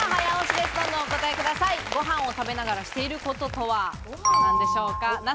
ご飯を食べながらしていることとは何でしょうか？